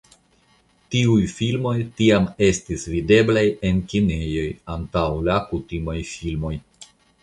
Tiu filmoj tiam estis videblaj en kinejoj antaŭ la kutimaj filmoj.